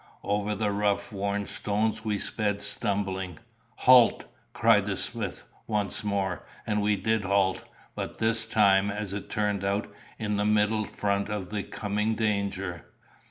Over the rough worn stones we sped stumbling. "Halt!" cried the smith once more, and we did halt; but this time, as it turned out, in the middle front of the coming danger.